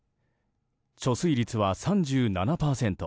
貯水率は３７％。